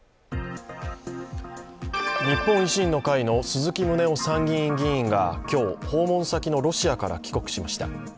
日本維新の会の鈴木宗男参院議員が今日、訪問先のロシアから帰国しました。